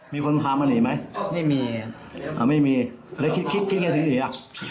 มีคนพามาหนีไหมไม่มีอ่าไม่มีไม่มีเลยคิดคิดไงถึงหนีอ่ะ